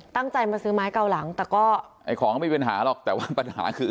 ตั้งใจมาซื้อไม้เกาหลังแต่ก็ไอ้ของก็ไม่มีปัญหาหรอกแต่ว่าปัญหาคือ